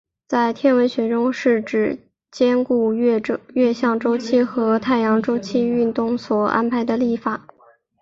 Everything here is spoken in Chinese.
在天文学中是指兼顾月相周期和太阳周期运动所安排的历法。